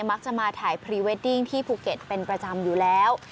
มักจะมาถ่ายพรีเวดดิ้งที่ภูเก็ตเป็นประจำอยู่แล้ว